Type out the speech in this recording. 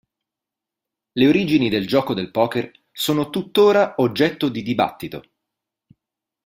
Le origini del gioco del poker sono tuttora oggetto di dibattito.